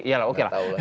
saya eko kuntadi